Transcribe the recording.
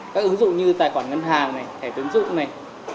các ứng dụng như tài khoản ngân hàng này thẻ tiến dụng này